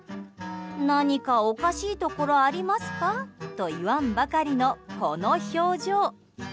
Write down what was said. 何かおかしいところありますか？と言わんばかりのこの表情。